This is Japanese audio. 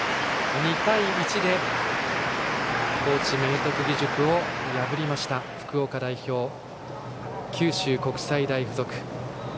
２対１で高知・明徳義塾を破りました福岡代表、九州国際大付属。